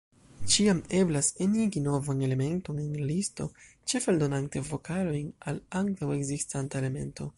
Ĉiam eblas enigi novan elementon en la liston, ĉefe aldonante vokalojn al antaŭ-ekzistanta elemento.